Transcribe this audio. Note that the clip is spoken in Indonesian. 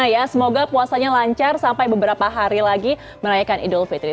ya semoga puasanya lancar sampai beberapa hari lagi merayakan idul fitri